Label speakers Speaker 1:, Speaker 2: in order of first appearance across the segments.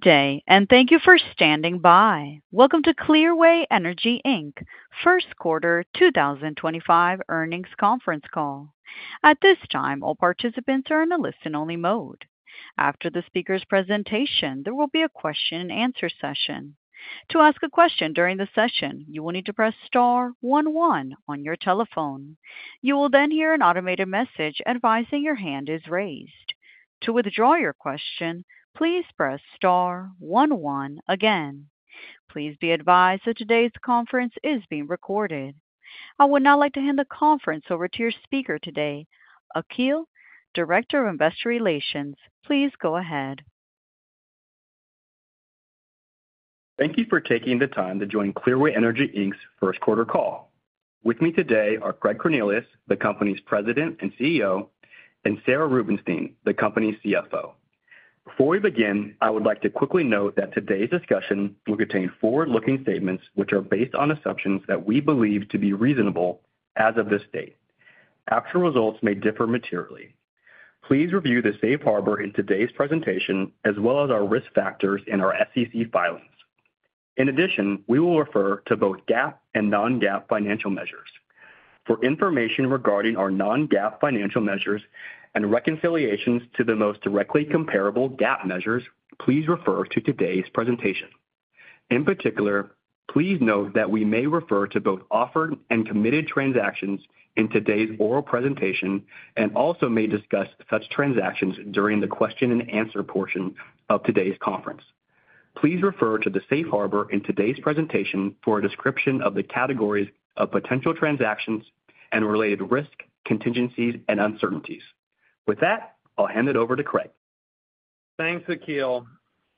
Speaker 1: Good day, and thank you for standing by. Welcome to Clearway Energy first quarter 2025 earnings conference call. At this time, all participants are in a listen-only mode. After the speaker's presentation, there will be a question-and-answer session. To ask a question during the session, you will need to press star one one on your telephone. You will then hear an automated message advising your hand is raised. To withdraw your question, please press star one one again. Please be advised that today's conference is being recorded. I would now like to hand the conference over to your speaker today, Akil Marsh, Director of Investor Relations. Please go ahead.
Speaker 2: Thank you for taking the time to join Clearway Energy's first quarter call. With me today are Craig Cornelius, the company's President and CEO, and Sarah Rubenstein, the company's CFO. Before we begin, I would like to quickly note that today's discussion will contain forward-looking statements which are based on assumptions that we believe to be reasonable as of this date. Actual results may differ materially. Please review the safe harbor in today's presentation as well as our risk factors in our SEC filings. In addition, we will refer to both GAAP and non-GAAP financial measures. For information regarding our non-GAAP financial measures and reconciliations to the most directly comparable GAAP measures, please refer to today's presentation. In particular, please note that we may refer to both offered and committed transactions in today's oral presentation and also may discuss such transactions during the question-and-answer portion of today's conference. Please refer to the safe harbor in today's presentation for a description of the categories of potential transactions and related risk, contingencies, and uncertainties. With that, I'll hand it over to Craig.
Speaker 3: Thanks, Akil.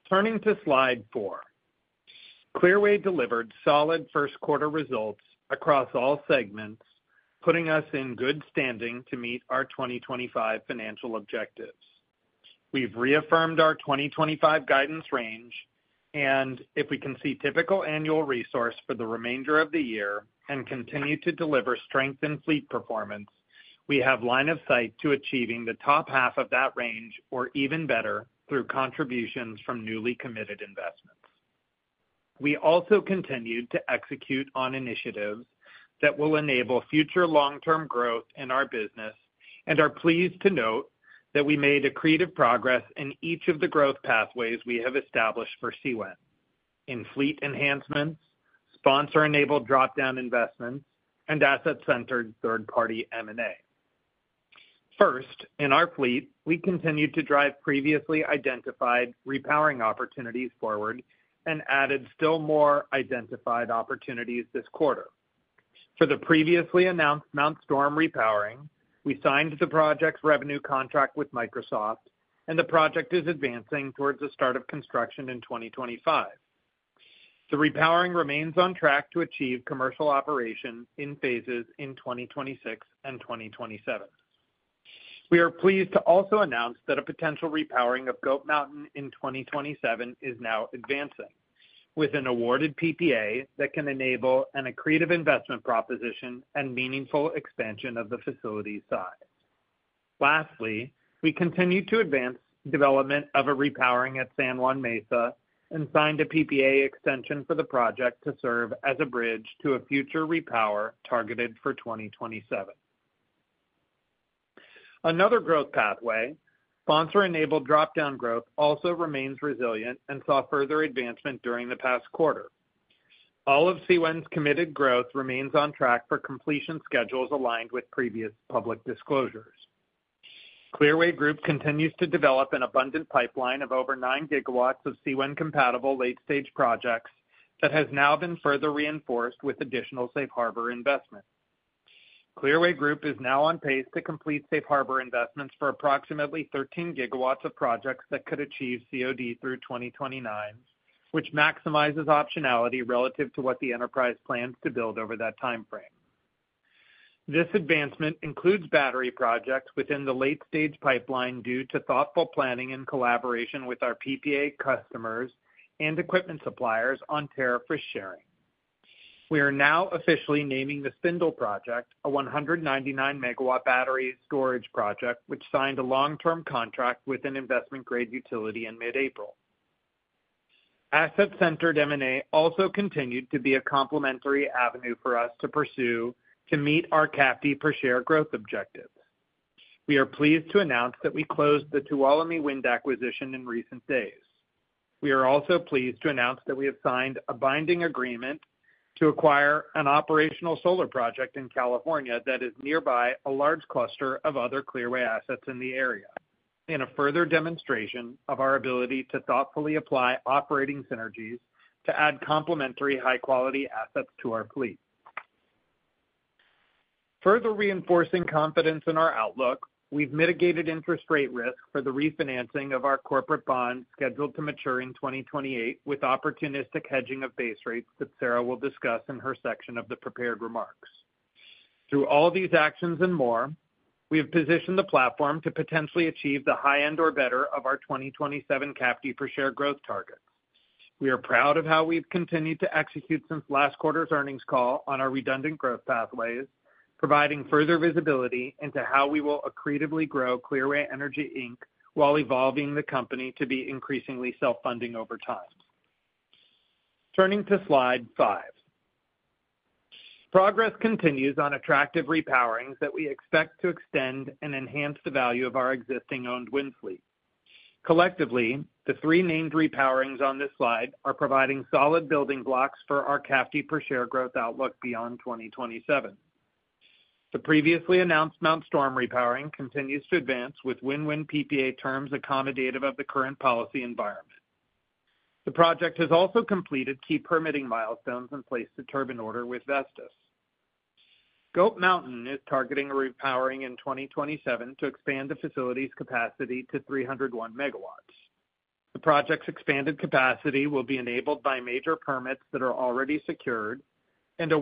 Speaker 3: Turning to slide four, Clearway delivered solid first quarter results across all segments, putting us in good standing to meet our 2025 financial objectives. We've reaffirmed our 2025 guidance range, and if we can see typical annual resource for the remainder of the year and continue to deliver strengthened fleet performance, we have line of sight to achieving the top half of that range or even better through contributions from newly committed investments. We also continued to execute on initiatives that will enable future long-term growth in our business and are pleased to note that we made accretive progress in each of the growth pathways we have established for CWEN in fleet enhancements, sponsor-enabled drop-down investments, and asset-centered third-party M&A. First, in our fleet, we continued to drive previously identified repowering opportunities forward and added still more identified opportunities this quarter. For the previously announced Mount Storm repowering, we signed the project's revenue contract with Microsoft, and the project is advancing towards the start of construction in 2025. The repowering remains on track to achieve commercial operation in phases in 2026 and 2027. We are pleased to also announce that a potential repowering of Goat Mountain in 2027 is now advancing with an awarded PPA that can enable an accretive investment proposition and meaningful expansion of the facility's size. Lastly, we continue to advance development of a repowering at San Juan Mesa and signed a PPA extension for the project to serve as a bridge to a future repower targeted for 2027. Another growth pathway, sponsor-enabled drop-down growth, also remains resilient and saw further advancement during the past quarter. All of CWEN's committed growth remains on track for completion schedules aligned with previous public disclosures. Clearway Group continues to develop an abundant pipeline of over 9 GW of CWEN-compatible late-stage projects that has now been further reinforced with additional safe harbor investment. Clearway Group is now on pace to complete safe harbor investments for approximately 13 GW of projects that could achieve COD through 2029, which maximizes optionality relative to what the enterprise plans to build over that timeframe. This advancement includes battery projects within the late-stage pipeline due to thoughtful planning and collaboration with our PPA customers and equipment suppliers on tariff risk sharing. We are now officially naming the Spindle Project, a 199 MW battery storage project which signed a long-term contract with an investment-grade utility in mid-April. Asset-centered M&A also continued to be a complementary avenue for us to pursue to meet our CAFD per share growth objectives. We are pleased to announce that we closed the Tuolumne Wind acquisition in recent days. We are also pleased to announce that we have signed a binding agreement to acquire an operational solar project in California that is nearby a large cluster of other Clearway assets in the area in a further demonstration of our ability to thoughtfully apply operating synergies to add complementary high-quality assets to our fleet. Further reinforcing confidence in our outlook, we've mitigated interest rate risk for the refinancing of our corporate bond scheduled to mature in 2028 with opportunistic hedging of base rates that Sarah will discuss in her section of the prepared remarks. Through all these actions and more, we have positioned the platform to potentially achieve the high end or better of our 2027 CAFD per share growth targets. We are proud of how we've continued to execute since last quarter's earnings call on our redundant growth pathways, providing further visibility into how we will accretively grow Clearway Energy while evolving the company to be increasingly self-funding over time. Turning to slide five, progress continues on attractive repowerings that we expect to extend and enhance the value of our existing owned wind fleet. Collectively, the three named repowerings on this slide are providing solid building blocks for our CAFD per share growth outlook beyond 2027. The previously announced Mount Storm repowering continues to advance with win-win PPA terms accommodative of the current policy environment. The project has also completed key permitting milestones and placed the turbine order with Vestas. Goat Mountain is targeting a repowering in 2027 to expand the facility's capacity to 301 MW. The project's expanded capacity will be enabled by major permits that are already secured and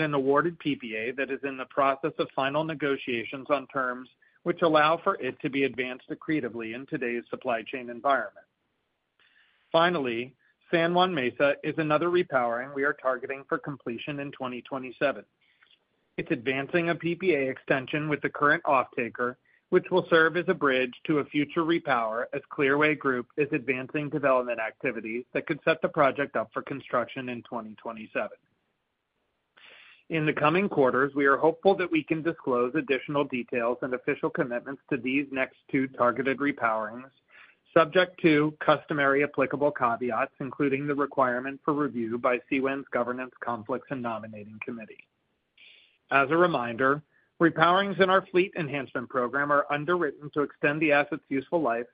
Speaker 3: an awarded PPA that is in the process of final negotiations on terms which allow for it to be advanced accretively in today's supply chain environment. Finally, San Juan Mesa is another repowering we are targeting for completion in 2027. It's advancing a PPA extension with the current off-taker, which will serve as a bridge to a future repower as Clearway Group is advancing development activities that could set the project up for construction in 2027. In the coming quarters, we are hopeful that we can disclose additional details and official commitments to these next two targeted repowerings, subject to customary applicable caveats, including the requirement for review by CWEN's Governance, Conflicts, and Nominating Committee. As a reminder, repowerings in our fleet enhancement program are underwritten to extend the asset's useful life,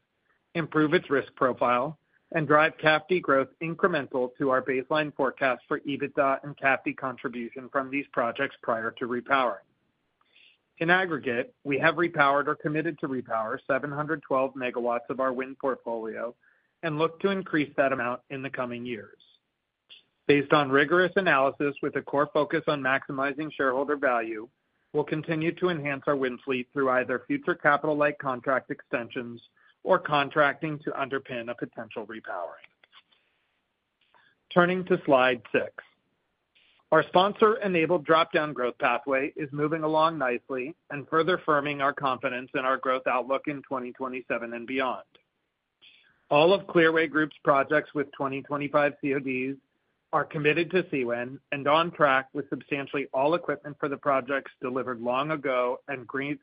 Speaker 3: improve its risk profile, and drive CAFD growth incremental to our baseline forecast for EBITDA and CAFD contribution from these projects prior to repowering. In aggregate, we have repowered or committed to repower 712 MW of our wind portfolio and look to increase that amount in the coming years. Based on rigorous analysis with a core focus on maximizing shareholder value, we'll continue to enhance our wind fleet through either future capital-like contract extensions or contracting to underpin a potential repowering. Turning to slide six, our sponsor-enabled drop-down growth pathway is moving along nicely and further firming our confidence in our growth outlook in 2027 and beyond. All of Clearway Group's projects with 2025 CODs are committed to CWEN and on track with substantially all equipment for the projects delivered long ago and grid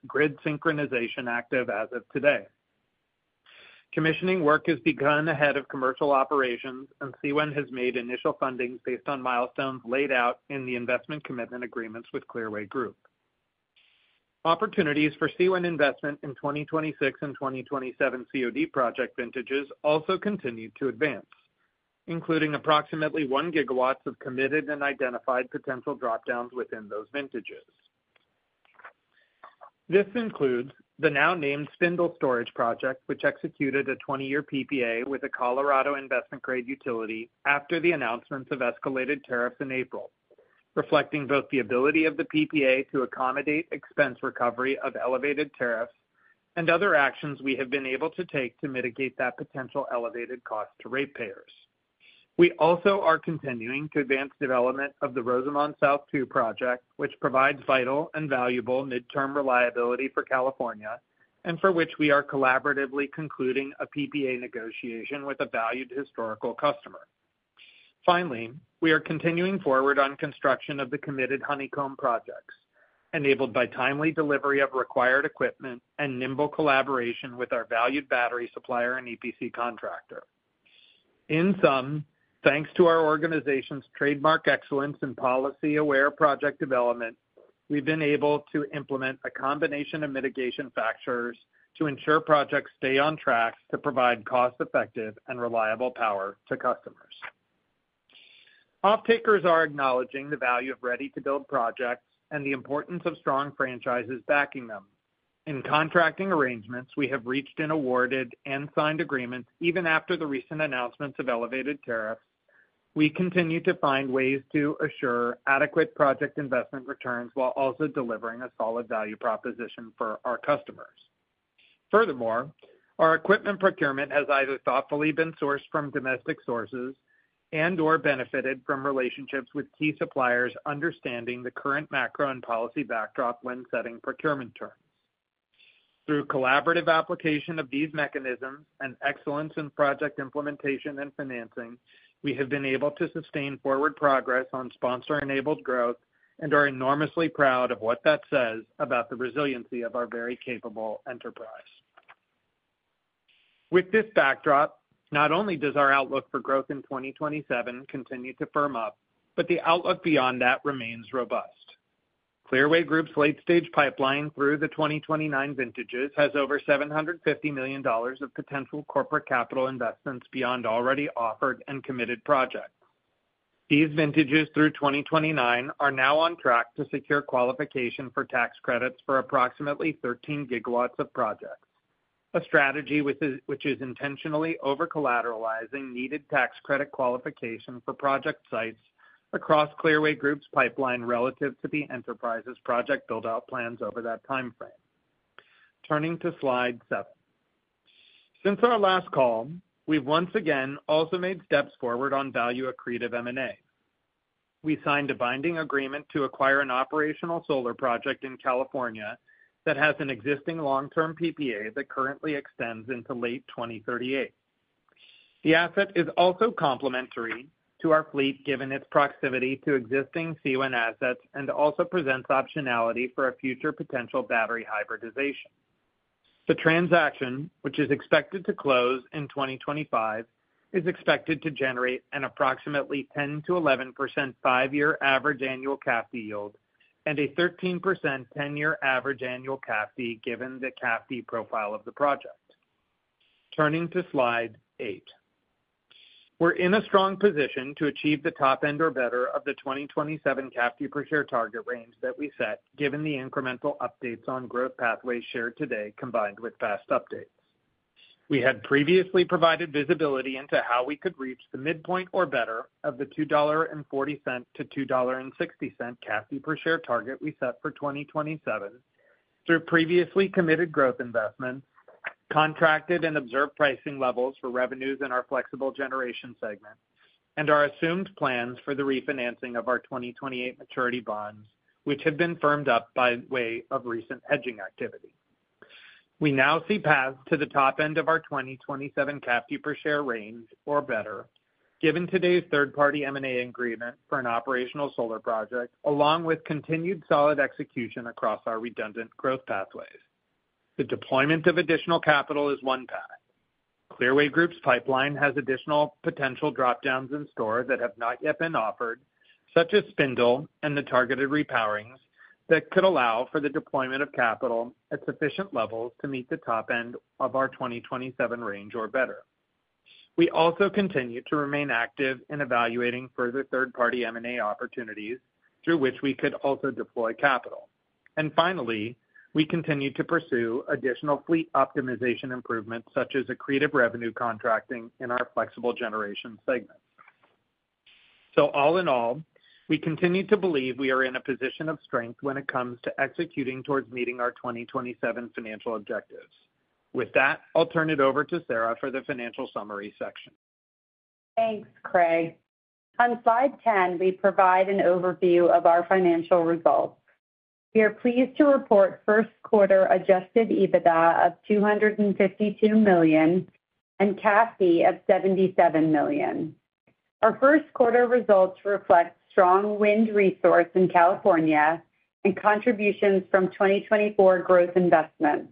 Speaker 3: synchronization active as of today. Commissioning work has begun ahead of commercial operations, and CWEN has made initial fundings based on milestones laid out in the investment commitment agreements with Clearway Group. Opportunities for CWEN investment in 2026 and 2027 COD project vintages also continue to advance, including approximately of committed and identified potential dropdowns within those vintages. This includes the now named Spindle Storage Project, which executed a 20-year PPA with a Colorado investment-grade utility after the announcements of escalated tariffs in April, reflecting both the ability of the PPA to accommodate expense recovery of elevated tariffs and other actions we have been able to take to mitigate that potential elevated cost to ratepayers. We also are continuing to advance development of the Rosamond South 2 project, which provides vital and valuable midterm reliability for California and for which we are collaboratively concluding a PPA negotiation with a valued historical customer. Finally, we are continuing forward on construction of the committed Honeycomb projects, enabled by timely delivery of required equipment and nimble collaboration with our valued battery supplier and EPC contractor. In summary, thanks to our organization's trademark excellence and policy-aware project development, we've been able to implement a combination of mitigation factors to ensure projects stay on track to provide cost-effective and reliable power to customers. Off-takers are acknowledging the value of ready-to-build projects and the importance of strong franchises backing them. In contracting arrangements, we have reached and awarded and signed agreements even after the recent announcements of elevated tariffs. We continue to find ways to assure adequate project investment returns while also delivering a solid value proposition for our customers. Furthermore, our equipment procurement has either thoughtfully been sourced from domestic sources and/or benefited from relationships with key suppliers, understanding the current macro and policy backdrop when setting procurement terms. Through collaborative application of these mechanisms and excellence in project implementation and financing, we have been able to sustain forward progress on sponsor-enabled growth and are enormously proud of what that says about the resiliency of our very capable enterprise. With this backdrop, not only does our outlook for growth in 2027 continue to firm up, but the outlook beyond that remains robust. Clearway Group's late-stage pipeline through the 2029 vintages has over $750 million of potential corporate capital investments beyond already offered and committed projects. These vintages through 2029 are now on track to secure qualification for tax credits for approximately 13 GW of projects, a strategy which is intentionally over-collateralizing needed tax credit qualification for project sites across Clearway Group's pipeline relative to the enterprise's project build-out plans over that timeframe. Turning to slide seven, since our last call, we've once again also made steps forward on value-accretive M&A. We signed a binding agreement to acquire an operational solar project in California that has an existing long-term PPA that currently extends into late 2038. The asset is also complementary to our fleet, given its proximity to existing CWEN assets, and also presents optionality for a future potential battery hybridization. The transaction, which is expected to close in 2025, is expected to generate an approximately 10%-11% five-year average annual CAFD yield and a 13% 10-year average annual CAFD fee given the CAFD profile of the project. Turning to slide eight, we're in a strong position to achieve the top end or better of the 2027 CAFD per share target range that we set, given the incremental updates on growth pathways shared today combined with past updates. We had previously provided visibility into how we could reach the midpoint or better of the $2.40-$2.60 CAFD per share target we set for 2027 through previously committed growth investments, contracted and observed pricing levels for revenues in our flexible generation segment, and our assumed plans for the refinancing of our 2028 maturity bonds, which have been firmed up by way of recent hedging activity. We now see paths to the top end of our 2027 CAFD per share range or better, given today's third-party M&A agreement for an operational solar project, along with continued solid execution across our redundant growth pathways. The deployment of additional capital is one path. Clearway Group's pipeline has additional potential dropdowns in store that have not yet been offered, such as Spindle and the targeted repowerings that could allow for the deployment of capital at sufficient levels to meet the top end of our 2027 range or better. We also continue to remain active in evaluating further third-party M&A opportunities through which we could also deploy capital. Finally, we continue to pursue additional fleet optimization improvements, such as accretive revenue contracting in our flexible generation segment. All in all, we continue to believe we are in a position of strength when it comes to executing towards meeting our 2027 financial objectives. With that, I'll turn it over to Sarah for the financial summary section.
Speaker 4: Thanks, Craig. On slide 10, we provide an overview of our financial results. We are pleased to report first quarter adjusted EBITDA of $252 million and CAFD of $77 million. Our first quarter results reflect strong wind resource in California and contributions from 2024 growth investments.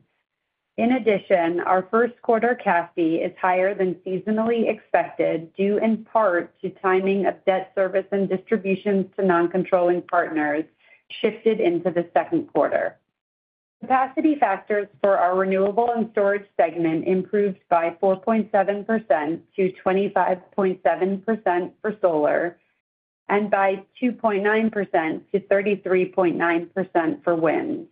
Speaker 4: In addition, our first quarter CAFD is higher than seasonally expected due in part to timing of debt service and distributions to non-controlling partners shifted into the second quarter. Capacity factors for our renewable and storage segment improved by 4.7% to 25.7% for solar and by 2.9% to 33.9% for wind.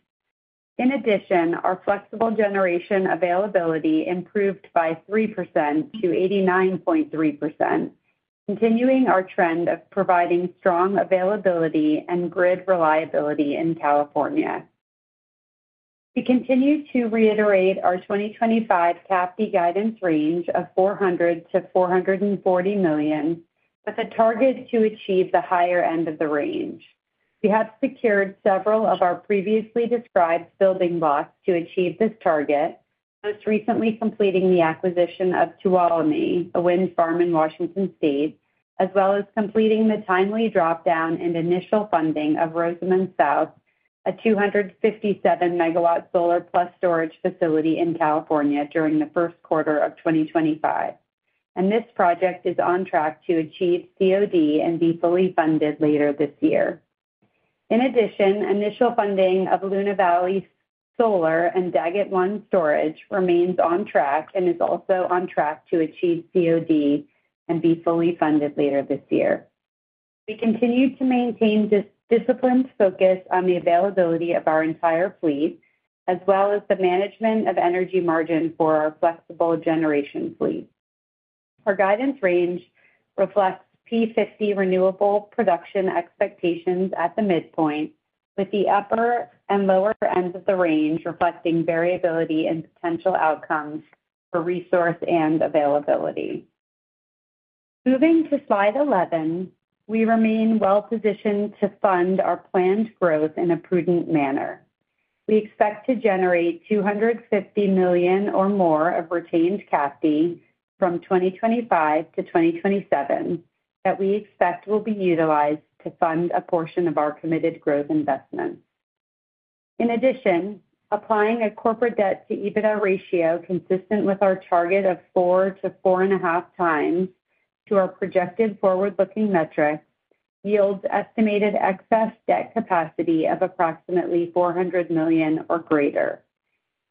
Speaker 4: In addition, our flexible generation availability improved by 3%-89.3%, continuing our trend of providing strong availability and grid reliability in California. We continue to reiterate our 2025 CAFD guidance range of $400 million-$440 million, with a target to achieve the higher end of the range. We have secured several of our previously described building blocks to achieve this target, most recently completing the acquisition of Tuolumne, a wind farm in Washington State, as well as completing the timely dropdown and initial funding of Rosamond South, a 257 MW solar plus storage facility in California during the first quarter of 2025. This project is on track to achieve COD and be fully funded later this year. In addition, initial funding of Luna Valley Solar and Daggett 1 Storage remains on track and is also on track to achieve COD and be fully funded later this year. We continue to maintain disciplined focus on the availability of our entire fleet, as well as the management of energy margin for our flexible generation fleet. Our guidance range reflects P50 renewable production expectations at the midpoint, with the upper and lower ends of the range reflecting variability and potential outcomes for resource and availability. Moving to slide 11, we remain well-positioned to fund our planned growth in a prudent manner. We expect to generate $250 million or more of retained CAFD from 2025 to 2027 that we expect will be utilized to fund a portion of our committed growth investments. In addition, applying a corporate debt to EBITDA ratio consistent with our target of 4-4.5 times to our projected forward-looking metrics yields estimated excess debt capacity of approximately $400 million or greater.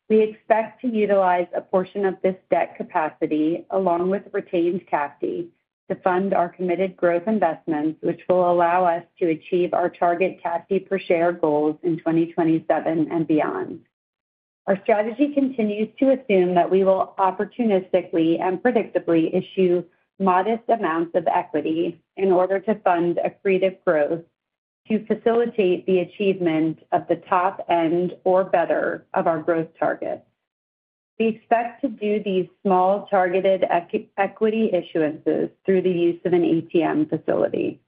Speaker 4: We expect to utilize a portion of this debt capacity along with retained CAFD to fund our committed growth investments, which will allow us to achieve our target CAFD per share goals in 2027 and beyond. Our strategy continues to assume that we will opportunistically and predictably issue modest amounts of equity in order to fund accretive growth to facilitate the achievement of the top end or better of our growth target. We expect to do these small targeted equity issuances through the use of an ATM facility.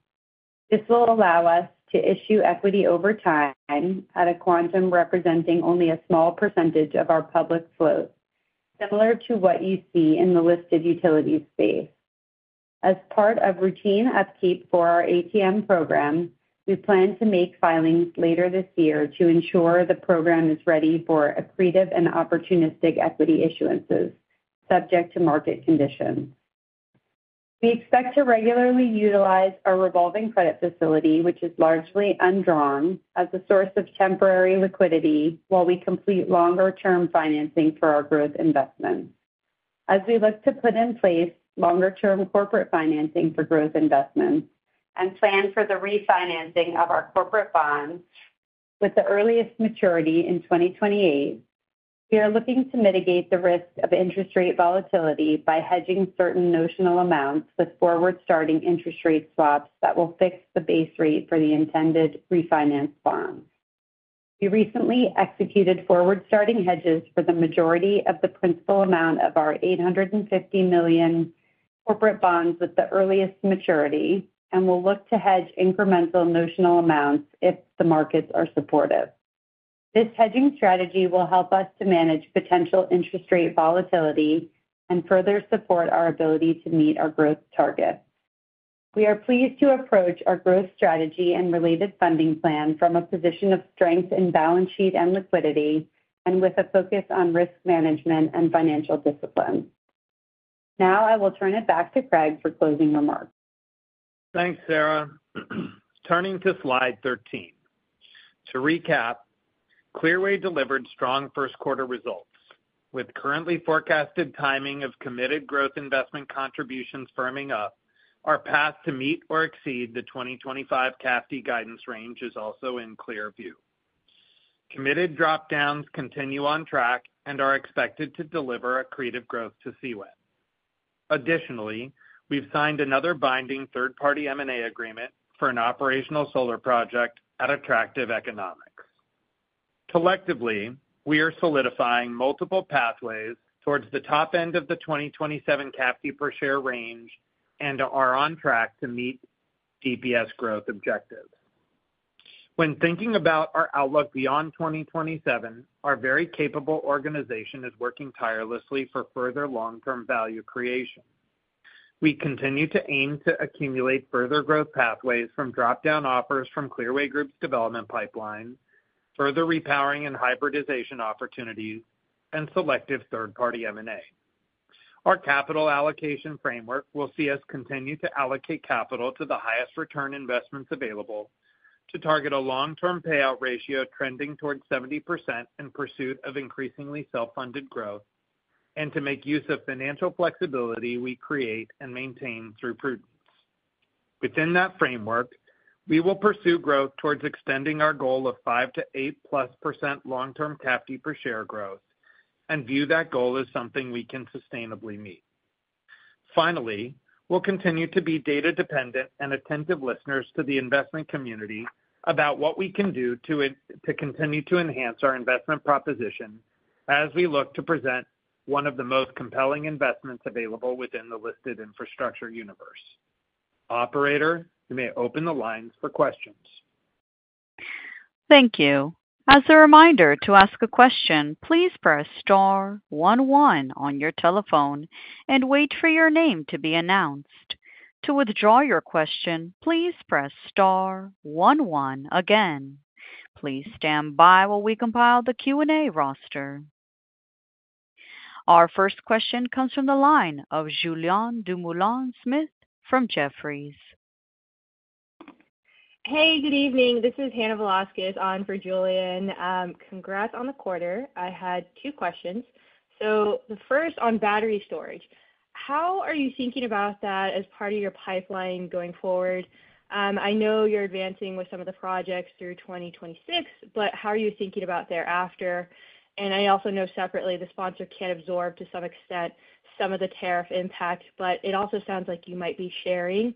Speaker 4: This will allow us to issue equity over time at a quantum representing only a small percentage of our public float, similar to what you see in the listed utilities space. As part of routine upkeep for our ATM program, we plan to make filings later this year to ensure the program is ready for accretive and opportunistic equity issuances, subject to market conditions. We expect to regularly utilize our revolving credit facility, which is largely undrawn, as a source of temporary liquidity while we complete longer-term financing for our growth investments. As we look to put in place longer-term corporate financing for growth investments and plan for the refinancing of our corporate bonds with the earliest maturity in 2028, we are looking to mitigate the risk of interest rate volatility by hedging certain notional amounts with forward-starting interest rate swaps that will fix the base rate for the intended refinance bonds. We recently executed forward-starting hedges for the majority of the principal amount of our $850 million corporate bonds with the earliest maturity and will look to hedge incremental notional amounts if the markets are supportive. This hedging strategy will help us to manage potential interest rate volatility and further support our ability to meet our growth targets. We are pleased to approach our growth strategy and related funding plan from a position of strength in balance sheet and liquidity and with a focus on risk management and financial discipline. Now I will turn it back to Craig for closing remarks.
Speaker 3: Thanks, Sarah. Turning to slide 13. To recap, Clearway delivered strong first quarter results. With currently forecasted timing of committed growth investment contributions firming up, our path to meet or exceed the 2025 CAFD guidance range is also in clear view. Committed dropdowns continue on track and are expected to deliver accretive growth to CWEN. Additionally, we've signed another binding third-party M&A agreement for an operational solar project at attractive economics. Collectively, we are solidifying multiple pathways towards the top end of the 2027 CAFD per share range and are on track to meet DPS growth objectives. When thinking about our outlook beyond 2027, our very capable organization is working tirelessly for further long-term value creation. We continue to aim to accumulate further growth pathways from dropdown offers from Clearway Group's development pipeline, further repowering and hybridization opportunities, and selective third-party M&A. Our capital allocation framework will see us continue to allocate capital to the highest return investments available to target a long-term payout ratio trending towards 70% in pursuit of increasingly self-funded growth and to make use of financial flexibility we create and maintain through prudence. Within that framework, we will pursue growth towards extending our goal of 5%-8% long-term CAFD per share growth and view that goal as something we can sustainably meet. Finally, we will continue to be data-dependent and attentive listeners to the investment community about what we can do to continue to enhance our investment proposition as we look to present one of the most compelling investments available within the listed infrastructure universe. Operator, you may open the lines for questions.
Speaker 1: Thank you. As a reminder to ask a question, please press star one one on your telephone and wait for your name to be announced. To withdraw your question, please press star one one again. Please stand by while we compile the Q&A roster. Our first question comes from the line of Julien Dumoulin-Smith from Jefferies.
Speaker 5: Hey, good evening. This is Hannah Marie Velásquez on for Julien. Congrats on the quarter. I had two questions. The first on battery storage. How are you thinking about that as part of your pipeline going forward? I know you're advancing with some of the projects through 2026, but how are you thinking about thereafter? I also know separately, the sponsor can absorb to some extent some of the tariff impact, but it also sounds like you might be sharing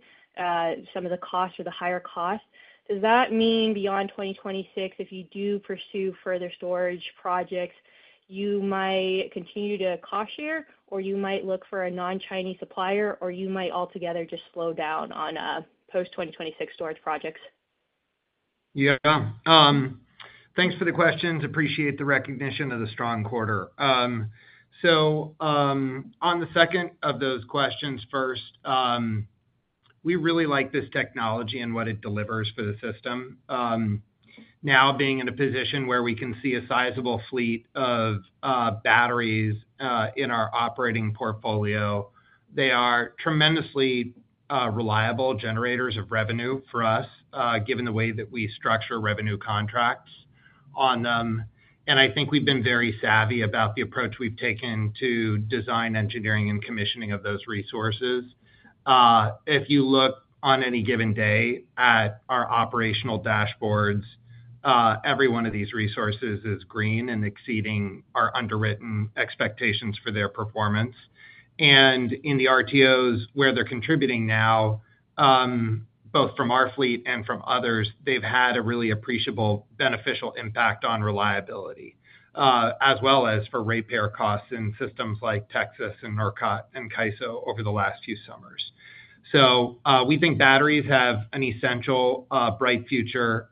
Speaker 5: some of the costs or the higher costs. Does that mean beyond 2026, if you do pursue further storage projects, you might continue to cost share, or you might look for a non-Chinese supplier, or you might altogether just slow down on post-2026 storage projects?
Speaker 3: Yeah. Thanks for the questions. Appreciate the recognition of the strong quarter. On the second of those questions first, we really like this technology and what it delivers for the system. Now being in a position where we can see a sizable fleet of batteries in our operating portfolio, they are tremendously reliable generators of revenue for us, given the way that we structure revenue contracts on them. I think we've been very savvy about the approach we've taken to design, engineering, and commissioning of those resources. If you look on any given day at our operational dashboards, every one of these resources is green and exceeding our underwritten expectations for their performance. In the RTOs where they're contributing now, both from our fleet and from others, they've had a really appreciable, beneficial impact on reliability, as well as for repair costs in systems like Texas and ERCOT and CAISO over the last few summers. We think batteries have an essential bright future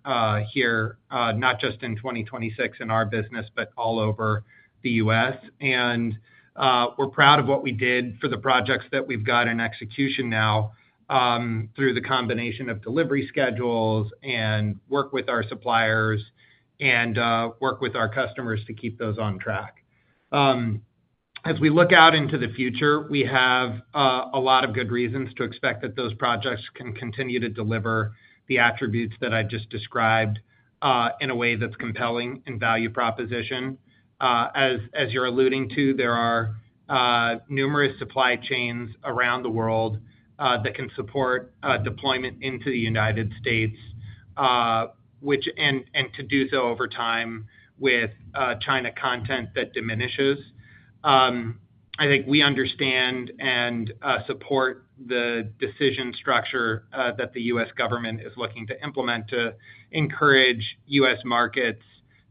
Speaker 3: here, not just in 2026 in our business, but all over the U.S. We are proud of what we did for the projects that we have in execution now through the combination of delivery schedules and work with our suppliers and work with our customers to keep those on track. As we look out into the future, we have a lot of good reasons to expect that those projects can continue to deliver the attributes that I just described in a way that is compelling and value proposition. As you are alluding to, there are numerous supply chains around the world that can support deployment into the U.S., and to do so over time with China content that diminishes. I think we understand and support the decision structure that the U.S. government is looking to implement to encourage U.S. markets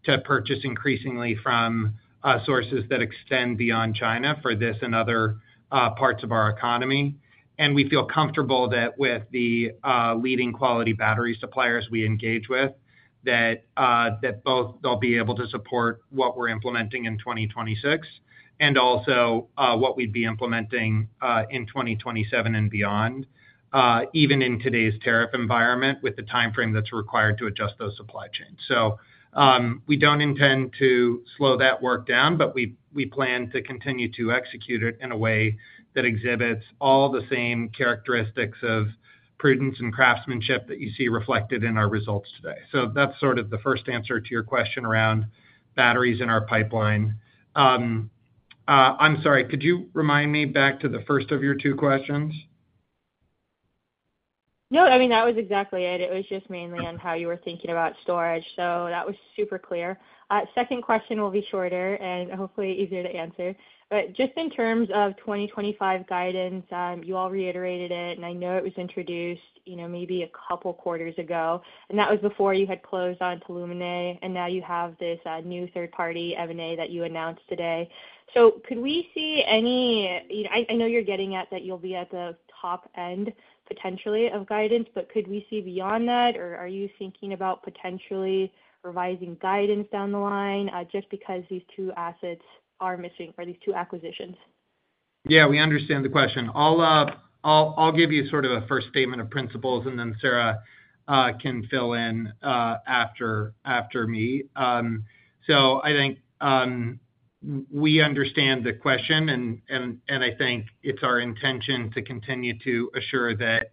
Speaker 3: to purchase increasingly from sources that extend beyond China for this and other parts of our economy. We feel comfortable that with the leading quality battery suppliers we engage with, that both they'll be able to support what we're implementing in 2026 and also what we'd be implementing in 2027 and beyond, even in today's tariff environment with the timeframe that's required to adjust those supply chains. We do not intend to slow that work down, but we plan to continue to execute it in a way that exhibits all the same characteristics of prudence and craftsmanship that you see reflected in our results today. That is sort of the first answer to your question around batteries in our pipeline. I'm sorry, could you remind me back to the first of your two questions?
Speaker 5: No, I mean, that was exactly it. It was just mainly on how you were thinking about storage. That was super clear. Second question will be shorter and hopefully easier to answer. Just in terms of 2025 guidance, you all reiterated it, and I know it was introduced maybe a couple quarters ago. That was before you had closed on Tuolumne, and now you have this new third-party M&A that you announced today. Could we see any, I know you're getting at that you'll be at the top end potentially of guidance, could we see beyond that, or are you thinking about potentially revising guidance down the line just because these two assets are missing for these two acquisitions?
Speaker 3: Yeah, we understand the question. I'll give you sort of a first statement of principles, and then Sarah can fill in after me. I think we understand the question, and I think it's our intention to continue to assure that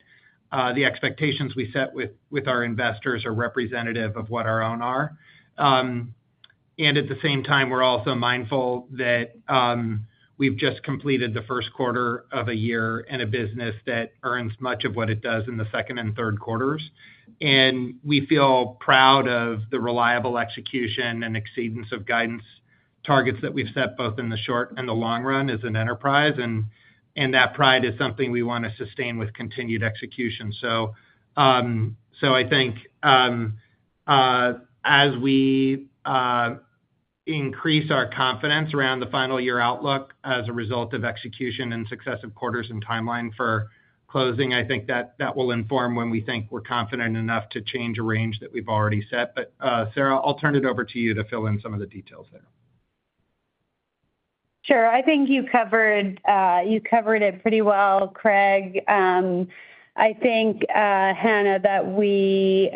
Speaker 3: the expectations we set with our investors are representative of what our own are. At the same time, we're also mindful that we've just completed the first quarter of a year in a business that earns much of what it does in the second and third quarters. We feel proud of the reliable execution and exceedance of guidance targets that we've set both in the short and the long run as an enterprise. That pride is something we want to sustain with continued execution. I think as we increase our confidence around the final year outlook as a result of execution and successive quarters and timeline for closing, I think that that will inform when we think we're confident enough to change a range that we've already set. Sarah, I'll turn it over to you to fill in some of the details there.
Speaker 4: Sure. I think you covered it pretty well, Craig. I think, Hannah, that we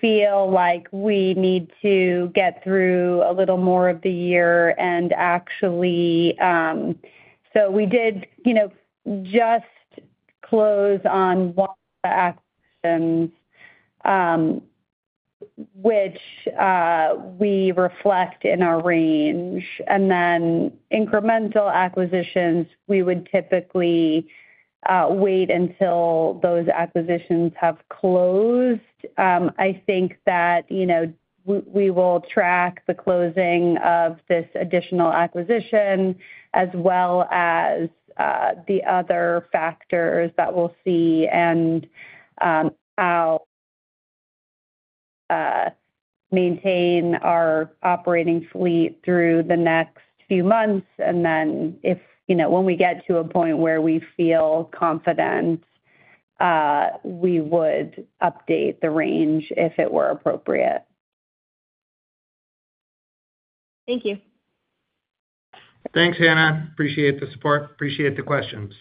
Speaker 4: feel like we need to get through a little more of the year and actually we did just close on one of the actions which we reflect in our range. Then incremental acquisitions, we would typically wait until those acquisitions have closed. I think that we will track the closing of this additional acquisition as well as the other factors that we'll see and maintain our operating fleet through the next few months. When we get to a point where we feel confident, we would update the range if it were appropriate.
Speaker 5: Thank you.
Speaker 3: Thanks, Hannah. Appreciate the support. Appreciate the questions.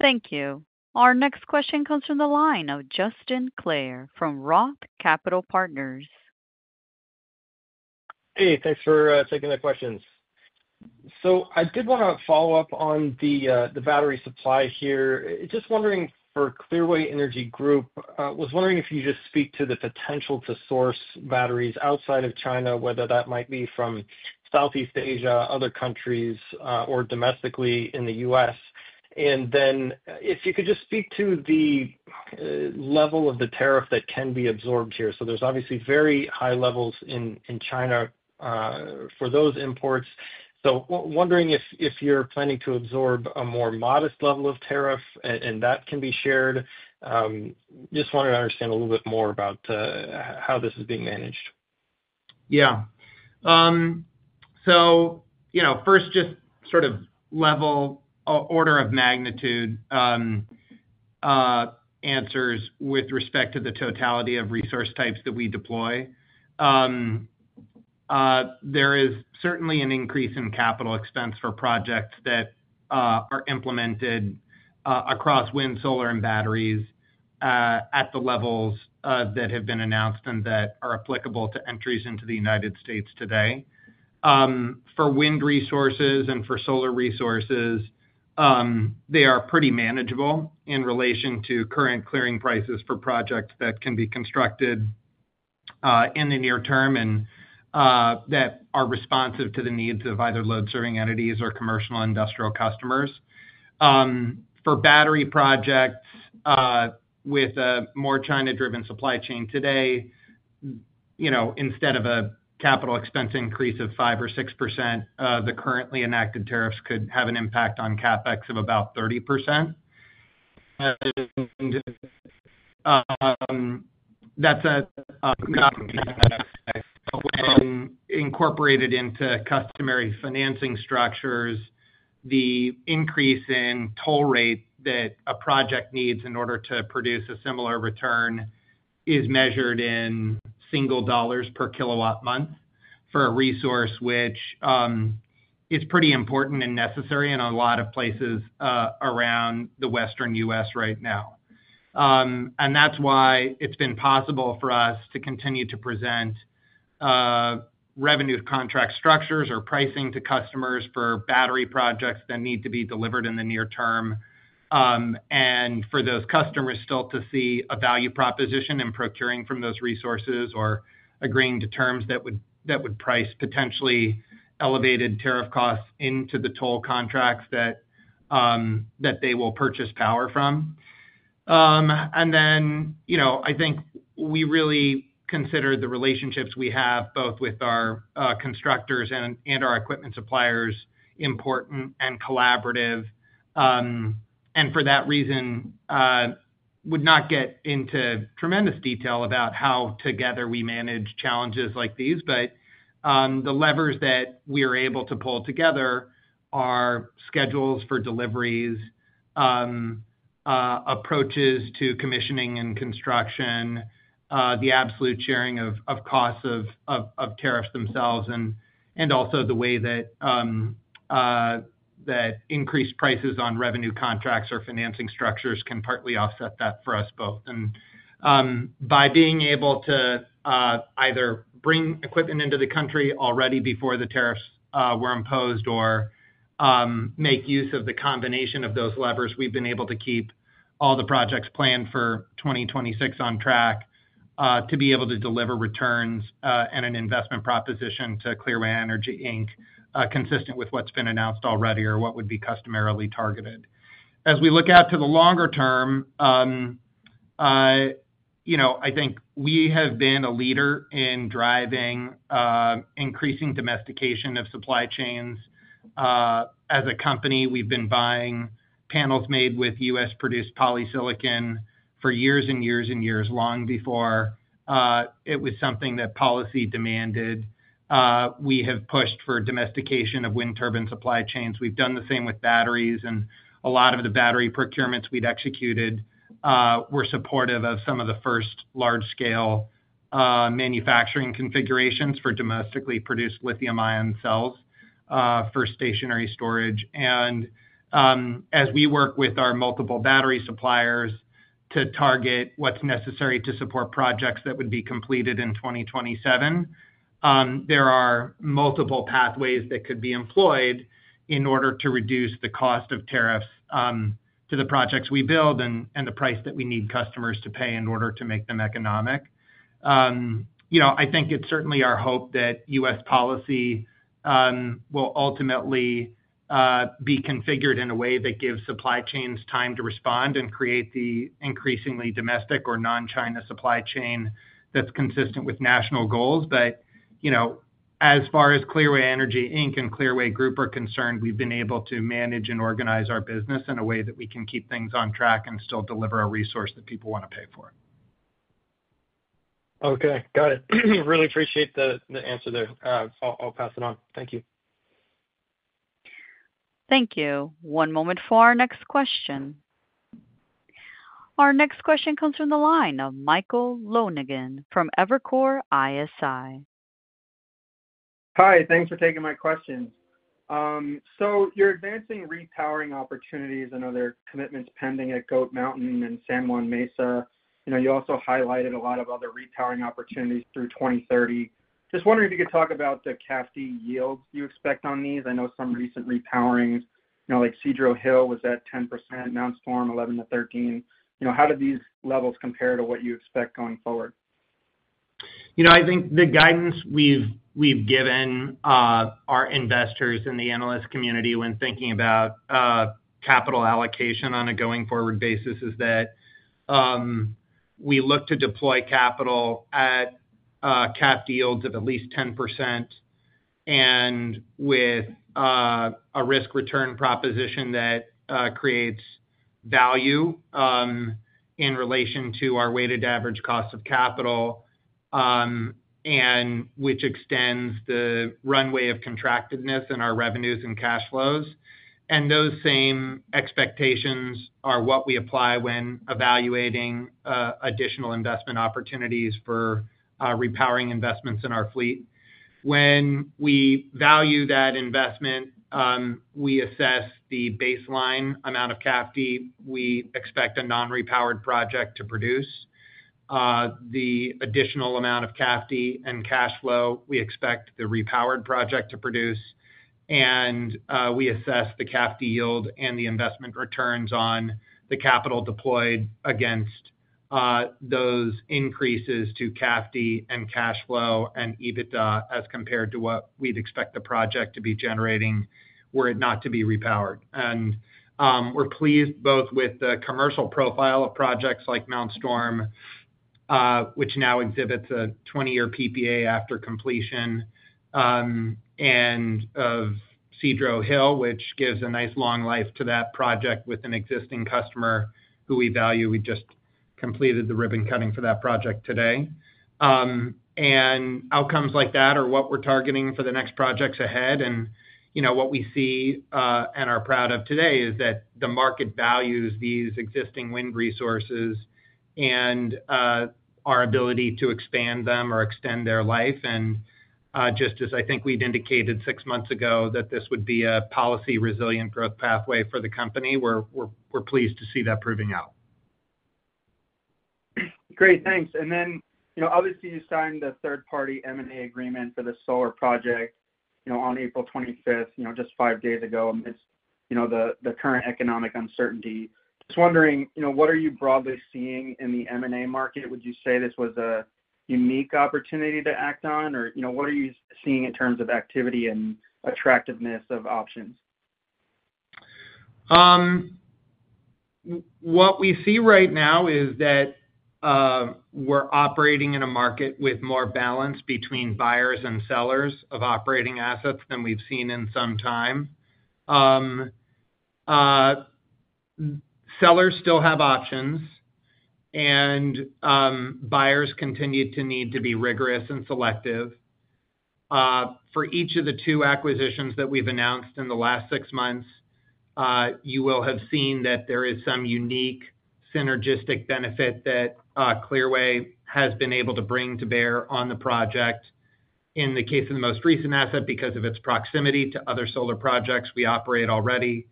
Speaker 1: Thank you. Our next question comes from the line of Justin Clare from ROTH Capital Partners.
Speaker 6: Hey, thanks for taking the questions. I did want to follow up on the battery supply here. Just wondering for Clearway Energy Group, I was wondering if you could just speak to the potential to source batteries outside of China, whether that might be from Southeast Asia, other countries, or domestically in the U.S. If you could just speak to the level of the tariff that can be absorbed here. There are obviously very high levels in China for those imports. I am wondering if you are planning to absorb a more modest level of tariff and if that can be shared. I just wanted to understand a little bit more about how this is being managed.
Speaker 3: Yeah. First, just sort of level order of magnitude answers with respect to the totality of resource types that we deploy. There is certainly an increase in capital expense for projects that are implemented across wind, solar, and batteries at the levels that have been announced and that are applicable to entries into the United States today. For wind resources and for solar resources, they are pretty manageable in relation to current clearing prices for projects that can be constructed in the near term and that are responsive to the needs of either load-serving entities or commercial industrial customers. For battery projects with a more China-driven supply chain today, instead of a capital expense increase of 5% or 6%, the currently enacted tariffs could have an impact on CapEx of about 30%. That is incorporated into customary financing structures. The increase in toll rate that a project needs in order to produce a similar return is measured in single dollars per kilowatt month for a resource which is pretty important and necessary in a lot of places around the Western U.S. right now. That is why it has been possible for us to continue to present revenue contract structures or pricing to customers for battery projects that need to be delivered in the near term and for those customers still to see a value proposition in procuring from those resources or agreeing to terms that would price potentially elevated tariff costs into the toll contracts that they will purchase power from. I think we really consider the relationships we have both with our constructors and our equipment suppliers important and collaborative. For that reason, would not get into tremendous detail about how together we manage challenges like these, but the levers that we are able to pull together are schedules for deliveries, approaches to commissioning and construction, the absolute sharing of costs of tariffs themselves, and also the way that increased prices on revenue contracts or financing structures can partly offset that for us both. By being able to either bring equipment into the country already before the tariffs were imposed or make use of the combination of those levers, we've been able to keep all the projects planned for 2026 on track to be able to deliver returns and an investment proposition to Clearway Energy, consistent with what's been announced already or what would be customarily targeted. As we look out to the longer term, I think we have been a leader in driving increasing domestication of supply chains. As a company, we've been buying panels made with U.S. produced polysilicon for years and years and years, long before it was something that policy demanded. We have pushed for domestication of wind turbine supply chains. We've done the same with batteries, and a lot of the battery procurements we'd executed were supportive of some of the first large-scale manufacturing configurations for domestically produced lithium-ion cells for stationary storage. As we work with our multiple battery suppliers to target what's necessary to support projects that would be completed in 2027, there are multiple pathways that could be employed in order to reduce the cost of tariffs to the projects we build and the price that we need customers to pay in order to make them economic. I think it's certainly our hope that U.S. policy will ultimately be configured in a way that gives supply chains time to respond and create the increasingly domestic or non-China supply chain that's consistent with national goals. As far as Clearway Energy and Clearway Group are concerned, we've been able to manage and organize our business in a way that we can keep things on track and still deliver a resource that people want to pay for.
Speaker 6: Okay. Got it. Really appreciate the answer there. I'll pass it on. Thank you.
Speaker 1: Thank you. One moment for our next question. Our next question comes from the line of Michael Lonegan from Evercore ISI.
Speaker 7: Hi. Thanks for taking my questions. You're advancing repowering opportunities and other commitments pending at Goat Mountain and San Juan Mesa. You also highlighted a lot of other repowering opportunities through 2030. Just wondering if you could talk about the CAFD yields you expect on these. I know some recent repowerings like Cedro Hill was at 10%, Mount Storm 11%-13%. How do these levels compare to what you expect going forward?
Speaker 3: I think the guidance we've given our investors and the analyst community when thinking about capital allocation on a going-forward basis is that we look to deploy capital at CAFD yields of at least 10% and with a risk-return proposition that creates value in relation to our weighted average cost of capital, which extends the runway of contractedness in our revenues and cash flows. Those same expectations are what we apply when evaluating additional investment opportunities for repowering investments in our fleet. When we value that investment, we assess the baseline amount of CAFD we expect a non-repowered project to produce. The additional amount of CAFD and cash flow we expect the repowered project to produce. We assess the CAFD yield and the investment returns on the capital deployed against those increases to CAFD and cash flow and EBITDA as compared to what we'd expect the project to be generating were it not to be repowered. We're pleased both with the commercial profile of projects like Mount Storm, which now exhibits a 20-year PPA after completion, and of Cedro Hill, which gives a nice long life to that project with an existing customer who we value. We just completed the ribbon cutting for that project today. Outcomes like that are what we're targeting for the next projects ahead. What we see and are proud of today is that the market values these existing wind resources and our ability to expand them or extend their life. Just as I think we'd indicated six months ago that this would be a policy-resilient growth pathway for the company, we're pleased to see that proving out.
Speaker 7: Great. Thanks. Obviously, you signed the third-party M&A agreement for the solar project on April 25, just five days ago amidst the current economic uncertainty. Just wondering, what are you broadly seeing in the M&A market? Would you say this was a unique opportunity to act on? What are you seeing in terms of activity and attractiveness of options?
Speaker 3: What we see right now is that we're operating in a market with more balance between buyers and sellers of operating assets than we've seen in some time. Sellers still have options, and buyers continue to need to be rigorous and selective. For each of the two acquisitions that we've announced in the last six months, you will have seen that there is some unique synergistic benefit that Clearway has been able to bring to bear on the project. In the case of the most recent asset, because of its proximity to other solar projects we operate already.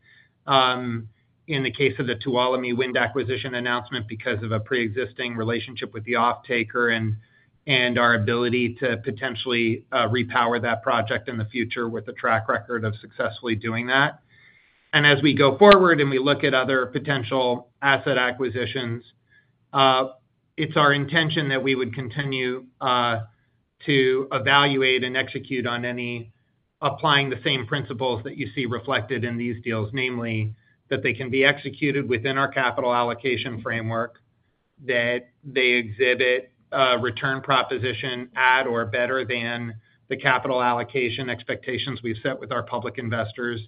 Speaker 3: In the case of the Tuolumne Wind acquisition announcement, because of a pre-existing relationship with the off-taker and our ability to potentially retower that project in the future with a track record of successfully doing that. As we go forward and we look at other potential asset acquisitions, it's our intention that we would continue to evaluate and execute on any applying the same principles that you see reflected in these deals, namely that they can be executed within our capital allocation framework, that they exhibit return proposition at or better than the capital allocation expectations we've set with our public investors,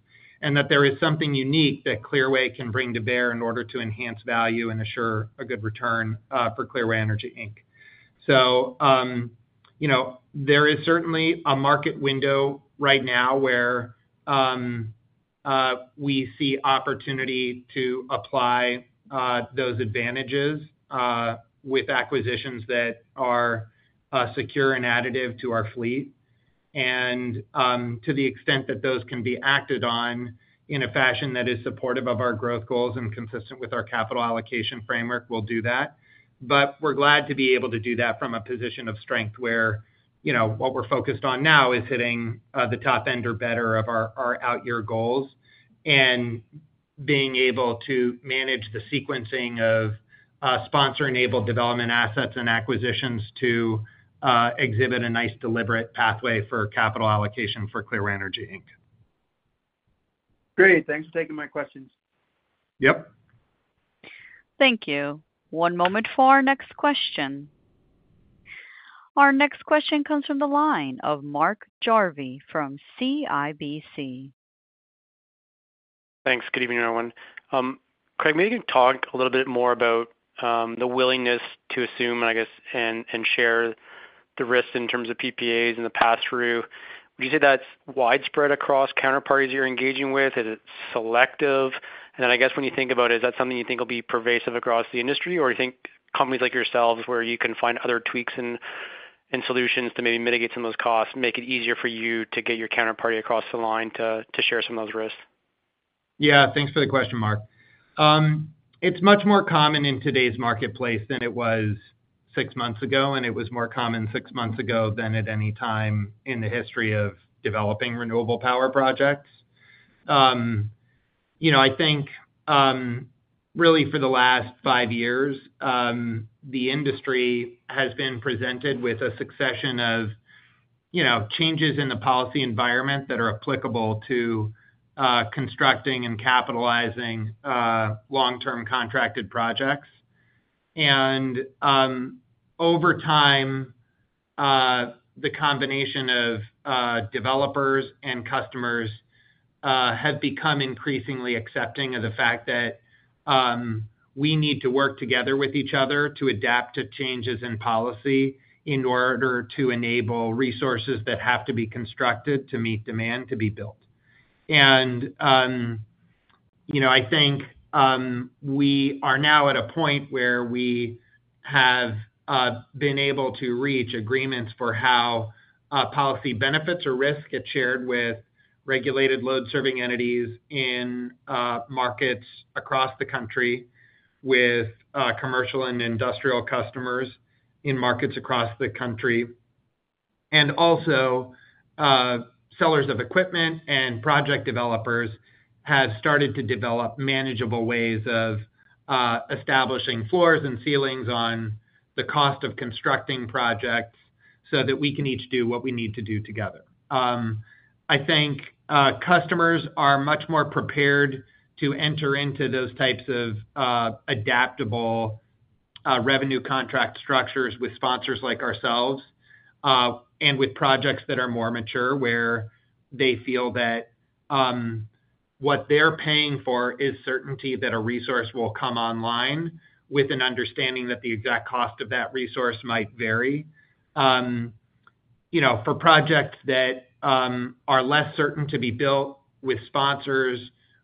Speaker 3: and that there is something unique that Clearway can bring to bear in order to enhance value and assure a good return for Clearway Energy. There is certainly a market window right now where we see opportunity to apply those advantages with acquisitions that are secure and additive to our fleet. To the extent that those can be acted on in a fashion that is supportive of our growth goals and consistent with our capital allocation framework, we'll do that. We're glad to be able to do that from a position of strength where what we're focused on now is hitting the top end or better of our out-year goals and being able to manage the sequencing of sponsor-enabled development assets and acquisitions to exhibit a nice deliberate pathway for capital allocation for Clearway Energy.
Speaker 7: Great. Thanks for taking my questions.
Speaker 3: Yep.
Speaker 1: Thank you. One moment for our next question. Our next question comes from the line of Mark Jarvi from CIBC.
Speaker 8: Thanks. Good evening, everyone. Craig, maybe you can talk a little bit more about the willingness to assume and share the risk in terms of PPAs in the past through. Would you say that's widespread across counterparties you're engaging with? Is it selective? I guess when you think about it, is that something you think will be pervasive across the industry? Do you think companies like yourselves where you can find other tweaks and solutions to maybe mitigate some of those costs make it easier for you to get your counterparty across the line to share some of those risks?
Speaker 3: Yeah. Thanks for the question, Mark. It's much more common in today's marketplace than it was six months ago, and it was more common six months ago than at any time in the history of developing renewable power projects. I think really for the last five years, the industry has been presented with a succession of changes in the policy environment that are applicable to constructing and capitalizing long-term contracted projects. Over time, the combination of developers and customers have become increasingly accepting of the fact that we need to work together with each other to adapt to changes in policy in order to enable resources that have to be constructed to meet demand to be built. I think we are now at a point where we have been able to reach agreements for how policy benefits or risk get shared with regulated load-serving entities in markets across the country with commercial and industrial customers in markets across the country. Also, sellers of equipment and project developers have started to develop manageable ways of establishing floors and ceilings on the cost of constructing projects so that we can each do what we need to do together. I think customers are much more prepared to enter into those types of adaptable revenue contract structures with sponsors like ourselves and with projects that are more mature where they feel that what they're paying for is certainty that a resource will come online with an understanding that the exact cost of that resource might vary. For projects that are less certain to be built with sponsors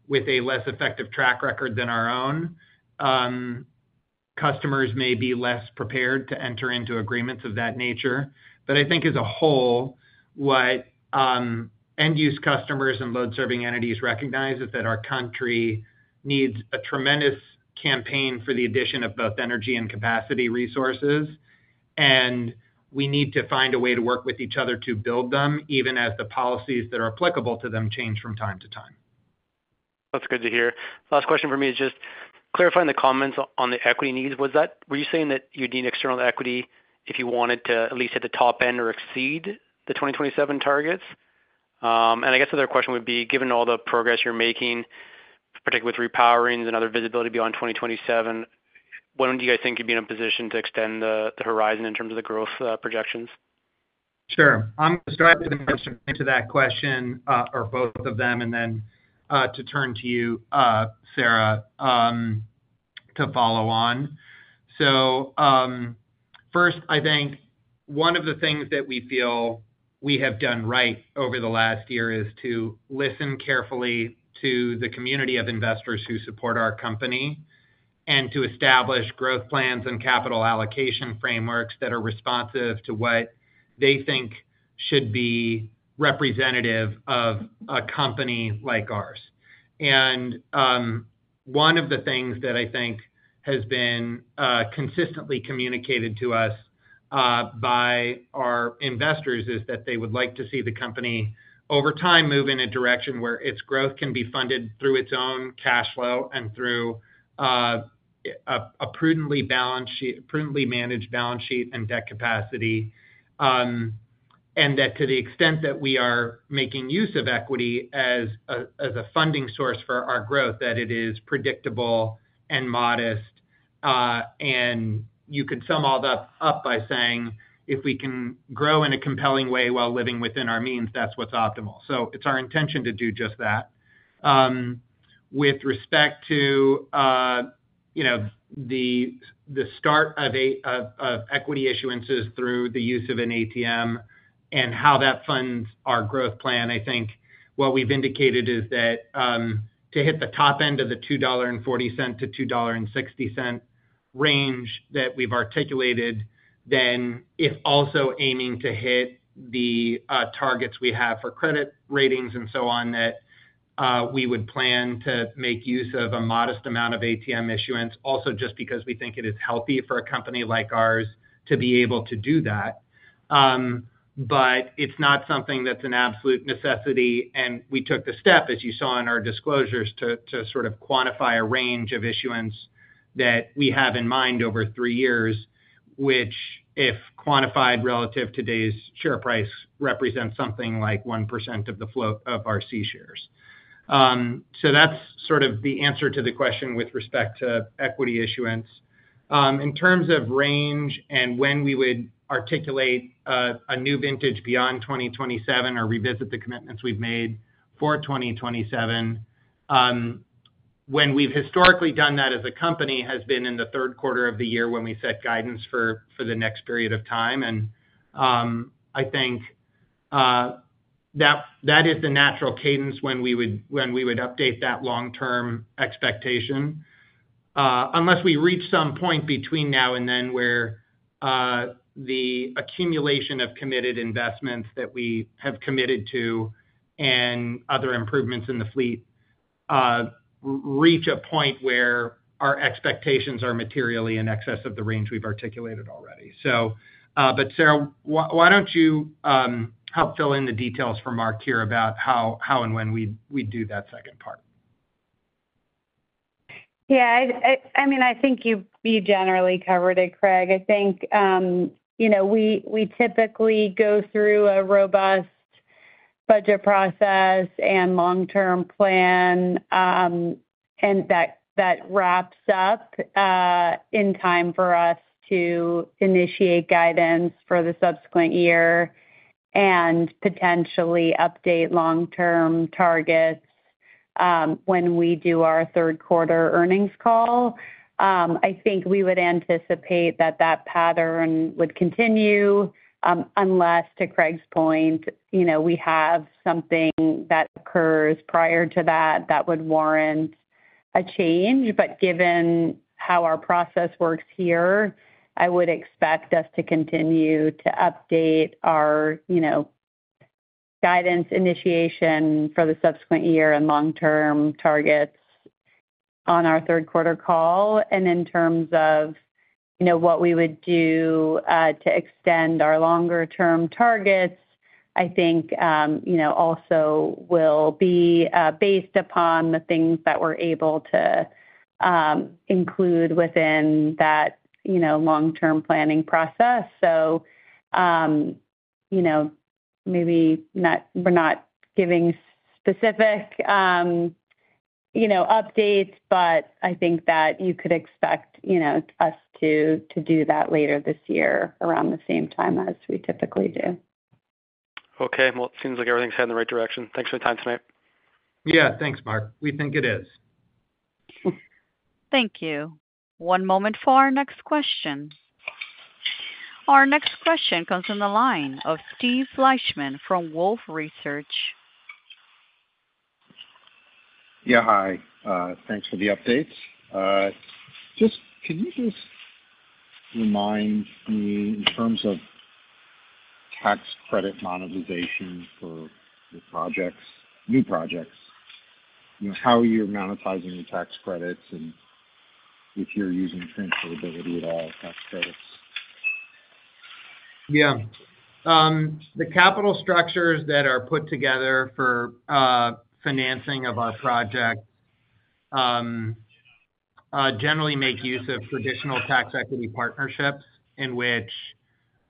Speaker 3: with a less effective track record than our own, customers may be less prepared to enter into agreements of that nature. I think as a whole, what end-use customers and load-serving entities recognize is that our country needs a tremendous campaign for the addition of both energy and capacity resources, and we need to find a way to work with each other to build them even as the policies that are applicable to them change from time to time.
Speaker 8: That's good to hear. Last question for me is just clarifying the comments on the equity needs. Were you saying that you'd need external equity if you wanted to at least hit the top end or exceed the 2027 targets? I guess the other question would be, given all the progress you're making, particularly with repowerings and other visibility beyond 2027, when do you guys think you'd be in a position to extend the horizon in terms of the growth projections?
Speaker 3: Sure. I'm going to start with an answer to that question or both of them, and then to turn to you, Sarah, to follow on. I think one of the things that we feel we have done right over the last year is to listen carefully to the community of investors who support our company and to establish growth plans and capital allocation frameworks that are responsive to what they think should be representative of a company like ours. One of the things that I think has been consistently communicated to us by our investors is that they would like to see the company over time move in a direction where its growth can be funded through its own cash flow and through a prudently managed balance sheet and debt capacity. To the extent that we are making use of equity as a funding source for our growth, it is predictable and modest. You could sum all that up by saying, "If we can grow in a compelling way while living within our means, that's what's optimal." It is our intention to do just that. With respect to the start of equity issuances through the use of an ATM and how that funds our growth plan, I think what we've indicated is that to hit the top end of the $2.40-$2.60 range that we've articulated, then if also aiming to hit the targets we have for credit ratings and so on, we would plan to make use of a modest amount of ATM issuance also just because we think it is healthy for a company like ours to be able to do that. It is not something that's an absolute necessity. We took the step, as you saw in our disclosures, to sort of quantify a range of issuance that we have in mind over three years, which, if quantified relative to today's share price, represents something like 1% of the float of our C shares. That is sort of the answer to the question with respect to equity issuance. In terms of range and when we would articulate a new vintage beyond 2027 or revisit the commitments we've made for 2027, when we've historically done that as a company has been in the third quarter of the year when we set guidance for the next period of time. I think that is the natural cadence when we would update that long-term expectation, unless we reach some point between now and then where the accumulation of committed investments that we have committed to and other improvements in the fleet reach a point where our expectations are materially in excess of the range we've articulated already. Sarah, why don't you help fill in the details for Mark here about how and when we do that second part?
Speaker 4: Yeah. I mean, I think you generally covered it, Craig. I think we typically go through a robust budget process and long-term plan, and that wraps up in time for us to initiate guidance for the subsequent year and potentially update long-term targets when we do our third quarter earnings call. I think we would anticipate that that pattern would continue unless, to Craig's point, we have something that occurs prior to that that would warrant a change. Given how our process works here, I would expect us to continue to update our guidance initiation for the subsequent year and long-term targets on our third quarter call. In terms of what we would do to extend our longer-term targets, I think also will be based upon the things that we're able to include within that long-term planning process. Maybe we're not giving specific updates, but I think that you could expect us to do that later this year around the same time as we typically do.
Speaker 8: Okay. It seems like everything's heading the right direction. Thanks for your time tonight.
Speaker 3: Yeah. Thanks, Mark. We think it is.
Speaker 1: Thank you. One moment for our next question. Our next question comes from the line of Steve Fleishman from Wolfe Research.
Speaker 9: Yeah. Hi. Thanks for the updates. Can you just remind me in terms of tax credit monetization for new projects, how you're monetizing your tax credits and if you're using transferability at all of tax credits?
Speaker 3: Yeah. The capital structures that are put together for financing of our projects generally make use of traditional tax equity partnerships in which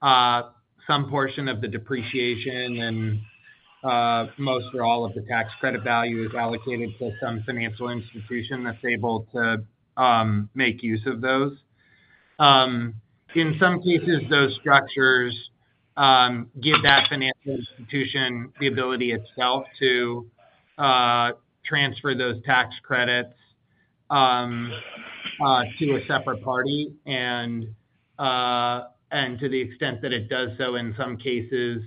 Speaker 3: some portion of the depreciation and most or all of the tax credit value is allocated to some financial institution that's able to make use of those. In some cases, those structures give that financial institution the ability itself to transfer those tax credits to a separate party. To the extent that it does so in some cases,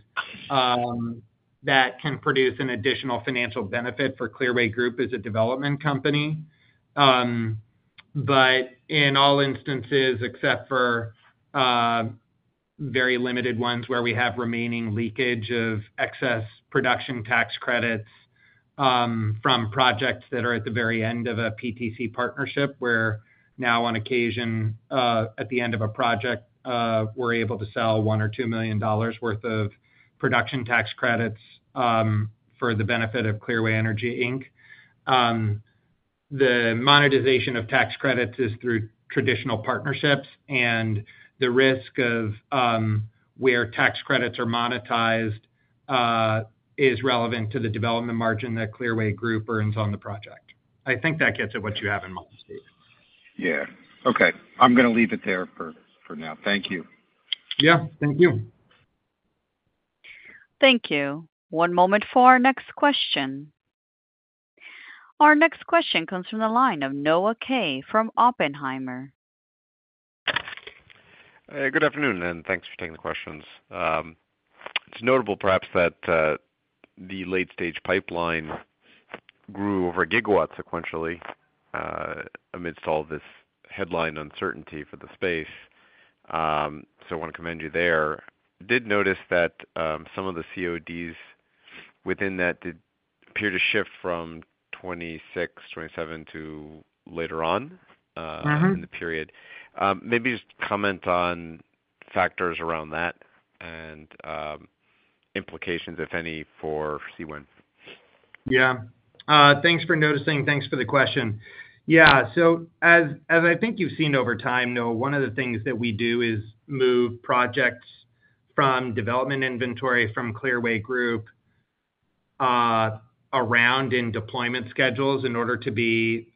Speaker 3: that can produce an additional financial benefit for Clearway Group as a development company. In all instances, except for very limited ones where we have remaining leakage of excess production tax credits from projects that are at the very end of a PTC partnership where now on occasion, at the end of a project, we're able to sell one or two million dollars' worth of production tax credits for the benefit of Clearway Energy. The monetization of tax credits is through traditional partnerships, and the risk of where tax credits are monetized is relevant to the development margin that Clearway Group earns on the project. I think that gets at what you have in mind.
Speaker 9: Yeah. Okay. I'm going to leave it there for now. Thank you.
Speaker 3: Yeah. Thank you.
Speaker 1: Thank you. One moment for our next question. Our next question comes from the line of Noah Kaye from Oppenheimer.
Speaker 10: Good afternoon, and thanks for taking the questions. It's notable perhaps that the late-stage pipeline grew over a gigawatt sequentially amidst all this headline uncertainty for the space. I want to commend you there. I did notice that some of the CODs within that did appear to shift from 2026, 2027 to later on in the period. Maybe just comment on factors around that and implications, if any, for CWEN.
Speaker 3: Yeah. Thanks for noticing. Thanks for the question. Yeah. As I think you've seen over time, Noah, one of the things that we do is move projects from development inventory from Clearway Group around in deployment schedules in order to be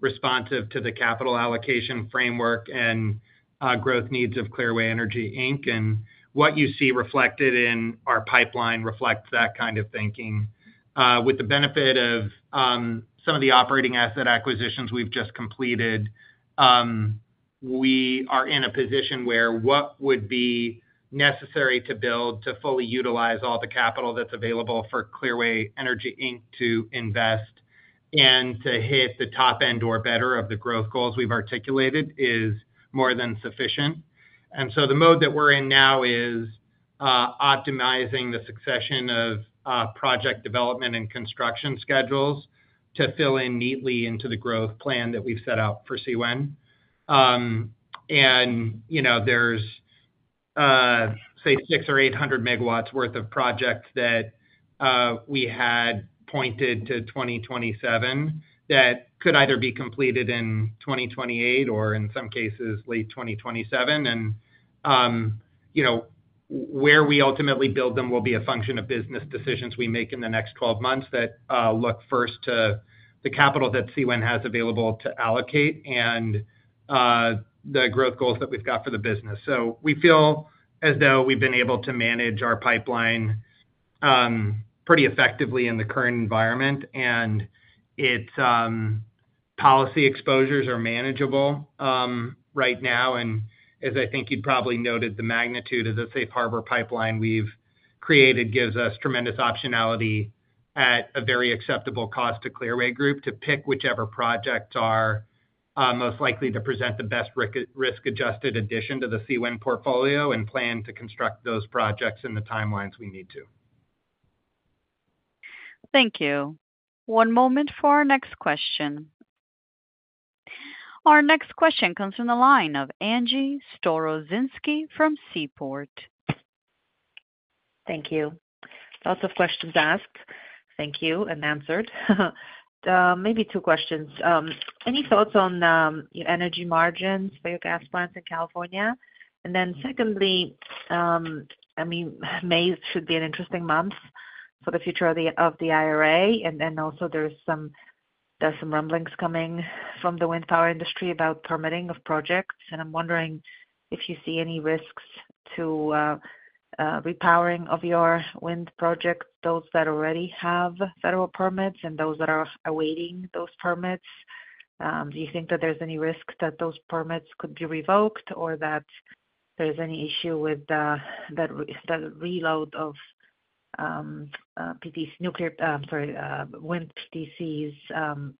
Speaker 3: responsive to the capital allocation framework and growth needs of Clearway Energy. What you see reflected in our pipeline reflects that kind of thinking. With the benefit of some of the operating asset acquisitions we've just completed, we are in a position where what would be necessary to build to fully utilize all the capital that's available for Clearway Energy to invest and to hit the top end or better of the growth goals we've articulated is more than sufficient. The mode that we're in now is optimizing the succession of project development and construction schedules to fill in neatly into the growth plan that we've set out for CWEN. There's, say, 600 or 800 MW worth of projects that we had pointed to 2027 that could either be completed in 2028 or in some cases, late 2027. Where we ultimately build them will be a function of business decisions we make in the next 12 months that look first to the capital that CWEN has available to allocate and the growth goals that we've got for the business. We feel as though we've been able to manage our pipeline pretty effectively in the current environment, and its policy exposures are manageable right now. As I think you'd probably noted, the magnitude of the Safe Harbor pipeline we've created gives us tremendous optionality at a very acceptable cost to Clearway Group to pick whichever projects are most likely to present the best risk-adjusted addition to the CWEN portfolio and plan to construct those projects in the timelines we need to.
Speaker 1: Thank you. One moment for our next question. Our next question comes from the line of Angie Storozynski from Seaport.
Speaker 11: Thank you. Lots of questions asked. Thank you and answered. Maybe two questions. Any thoughts on energy margins for your gas plants in California? Then secondly, I mean, May should be an interesting month for the future of the IRA. Also, there's some rumblings coming from the wind power industry about permitting of projects. I'm wondering if you see any risks to repowering of your wind projects, those that already have federal permits and those that are awaiting those permits. Do you think that there's any risk that those permits could be revoked or that there's any issue with the reload of wind PTCs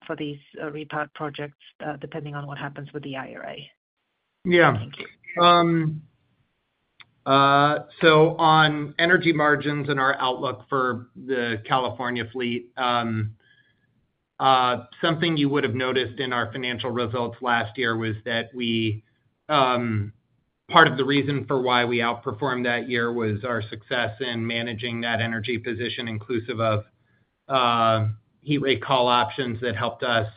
Speaker 11: for these repowered projects depending on what happens with the IRA?
Speaker 3: Yeah. On energy margins and our outlook for the California fleet, something you would have noticed in our financial results last year was that part of the reason for why we outperformed that year was our success in managing that energy position inclusive of heat rate call options that helped us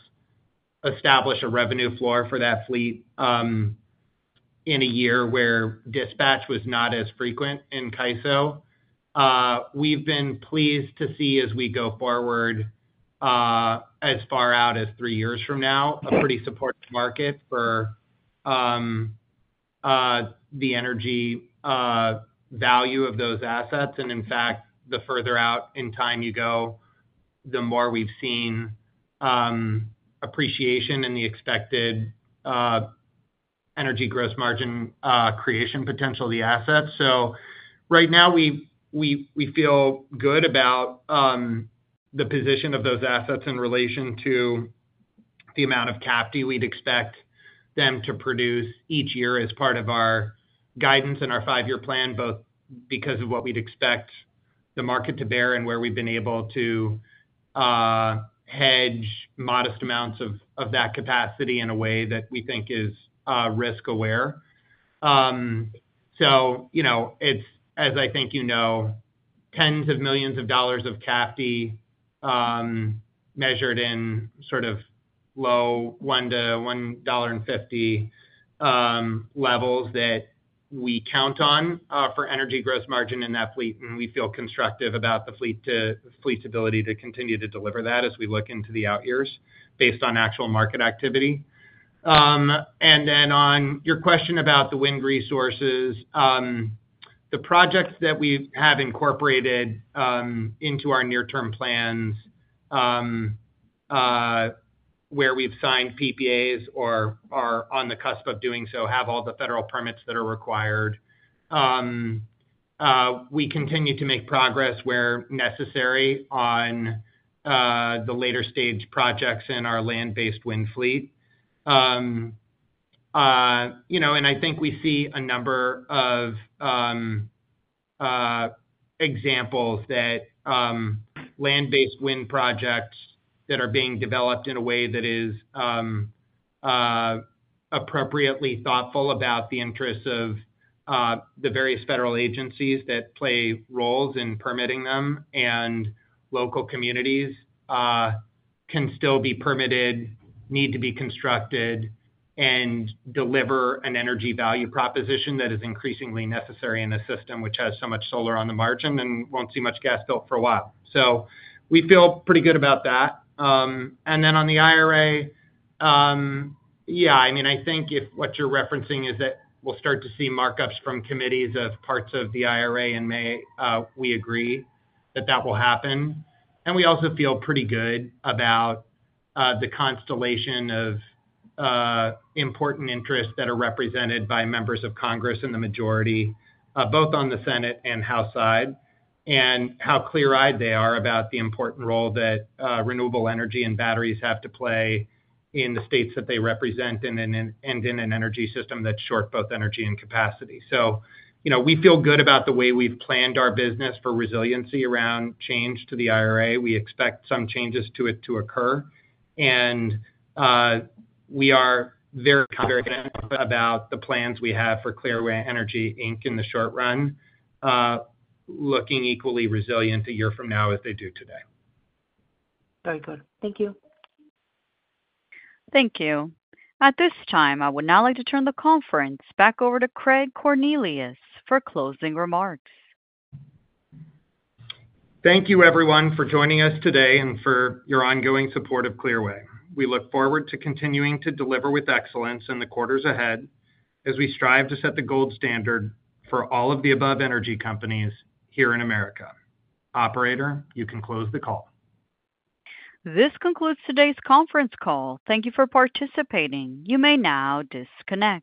Speaker 3: establish a revenue floor for that fleet in a year where dispatch was not as frequent in CAISO. We've been pleased to see as we go forward as far out as three years from now, a pretty supportive market for the energy value of those assets. In fact, the further out in time you go, the more we've seen appreciation in the expected energy gross margin creation potential of the assets. Right now, we feel good about the position of those assets in relation to the amount of CAFD we'd expect them to produce each year as part of our guidance and our five-year plan, both because of what we'd expect the market to bear and where we've been able to hedge modest amounts of that capacity in a way that we think is risk-aware. As I think you know, tens of millions of dollars of CAFD measured in sort of low $1-$1.50 levels that we count on for energy gross margin in that fleet. We feel constructive about the fleet's ability to continue to deliver that as we look into the out years based on actual market activity. On your question about the wind resources, the projects that we have incorporated into our near-term plans where we've signed PPAs or are on the cusp of doing so have all the federal permits that are required. We continue to make progress where necessary on the later-stage projects in our land-based wind fleet. I think we see a number of examples that land-based wind projects that are being developed in a way that is appropriately thoughtful about the interests of the various federal agencies that play roles in permitting them and local communities can still be permitted, need to be constructed, and deliver an energy value proposition that is increasingly necessary in a system which has so much solar on the margin and won't see much gas built for a while. We feel pretty good about that. On the IRA, yeah, I mean, I think if what you're referencing is that we'll start to see markups from committees of parts of the IRA in May, we agree that that will happen. We also feel pretty good about the constellation of important interests that are represented by members of Congress and the majority, both on the Senate and House side, and how clear-eyed they are about the important role that renewable energy and batteries have to play in the states that they represent and in an energy system that's short both energy and capacity. We feel good about the way we've planned our business for resiliency around change to the IRA. We expect some changes to it to occur. We are very confident about the plans we have for Clearway Energy. In the short run, looking equally resilient a year from now as they do today.
Speaker 11: Very good. Thank you.
Speaker 1: Thank you. At this time, I would now like to turn the conference back over to Craig Cornelius for closing remarks.
Speaker 3: Thank you, everyone, for joining us today and for your ongoing support of Clearway. We look forward to continuing to deliver with excellence in the quarters ahead as we strive to set the gold standard for all of the above energy companies here in America. Operator, you can close the call.
Speaker 1: This concludes today's conference call. Thank you for participating. You may now disconnect.